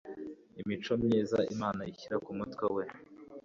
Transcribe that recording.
Imico myiza Imana ishyira kumutwe we